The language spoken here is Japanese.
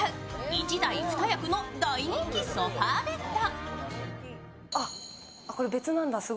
１台２役の大人気ソファベッド。